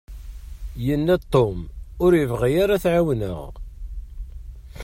Yanna-d Tom ur yebɣi ara ad t-ɛiwneɣ.